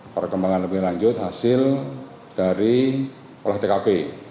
perkembangan lebih lanjut hasil dari olah tkp